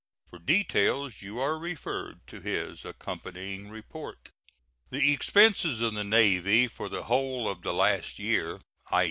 For details you are referred to his accompanying report. The expenses of the Navy for the whole of the last year i.